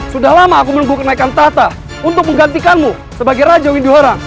sudah lama aku menunggu kenaikan tahta untuk menggantikanmu sebagai raja windu haram